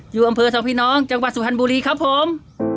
อยู่อำเภอสองพี่น้องจังหวัดสุพรรณบุรีครับผม